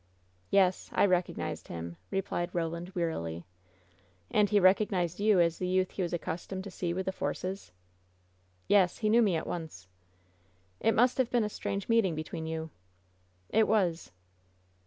"Yes, I recognized him," replied Roland, wearily. "And he recognized you as the youth he was accus tomed to see with the Forces?" "Yes, he knew me at once." "It must have been a strange meeting between you." "It was."